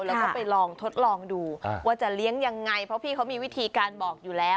แล้วก็ไปลองทดลองดูว่าจะเลี้ยงยังไงเพราะพี่เขามีวิธีการบอกอยู่แล้ว